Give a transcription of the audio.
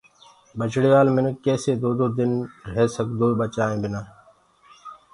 ٻچڙيوال مِنک ڪيسي دو دو دن ريه سگدوئيٚ ٻچآئينٚ بنآ